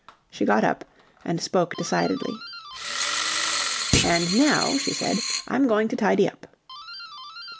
She got up and spoke decidedly. "And now," she said, "I'm going to tidy up."